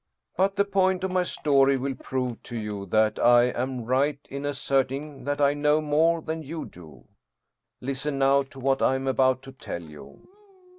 But the point of my story will prove to you that I am right in asserting that I know more than you do. Listen now to what I am about to tell you.